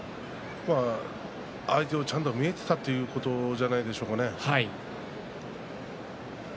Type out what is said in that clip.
相手をちゃんと見えていたということなんじゃないですかね。